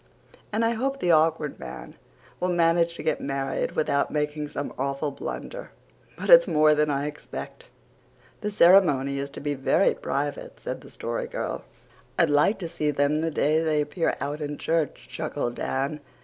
And I hope the Awkward Man will manage to get married without making some awful blunder, but it's more than I expect." "The ceremony is to be very private," said the Story Girl. "I'd like to see them the day they appear out in church," chuckled Dan.